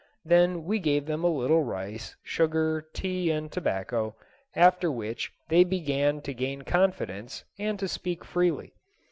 Then we gave them a little rice, sugar, tea, and tobacco, after which they began to gain confidence and to speak freely.